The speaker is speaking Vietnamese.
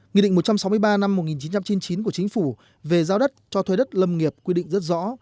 nghị định một trăm sáu mươi ba năm một nghìn chín trăm chín mươi chín của chính phủ về giao đất cho thuê đất lâm nghiệp quy định rất rõ